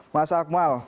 mas akmal selamat datang